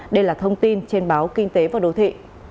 đây là thông tin trên báo kinh tế và đô thị